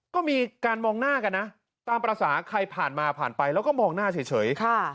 ก็มีการมองหน้ากันนะตามภาษาใครผ่านมาผ่านไปแล้วก็มองหน้าเฉย